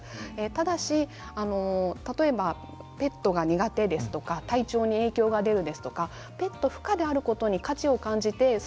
ただし、ペットが苦手ですとか体調に影響が出るとかペット不可であることに価値を感じます。